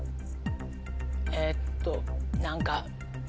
えっと何か。